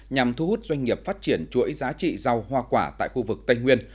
nhằm thu hút doanh nghiệp phát triển chuỗi giá trị rau hoa quả tại khu vực tây nguyên